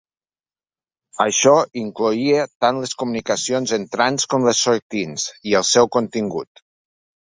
Això incloïa tant les comunicacions entrants com les sortints, i el seu contingut.